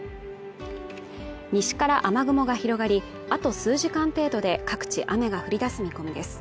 西から雨雲が広がり、あと数時間程度で、各地雨が降り出す見込みです。